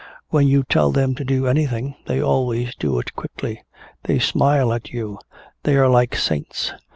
When you tell them to do anything they always do it quickly. They smile at you, they are like saints.